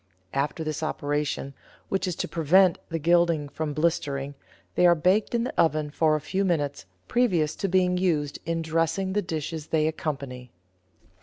After this operation, which is to prevent the gilding from blistering, they are baked in the oven for a few minutes previous to being used in dressing the dishes they accompany.